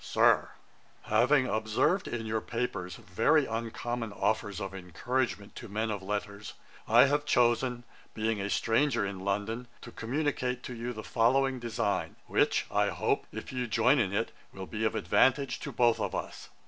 'SIR, 'Having observed in your papers very uncommon offers of encouragement to men of letters, I have chosen, being a stranger in London, to communicate to you the following design, which, I hope, if you join in it, will be of advantage to both of us.